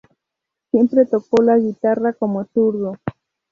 Siempre tocó la guitarra como zurdo.